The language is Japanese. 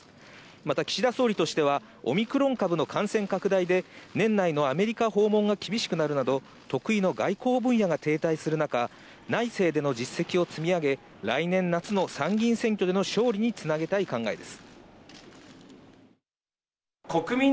また、岸田総理としてはオミクロン株の感染拡大で年内のアメリカ訪問が厳しくなるなど、得意の外交分野が停滞する中、内政での実績を積み上げ、来年夏の参議院選挙での勝利につなげたい考えです。